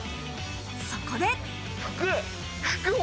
そこで。